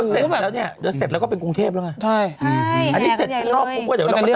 แล้วเสร็จแล้วก็เป็นกรุงเทพฯแล้วไง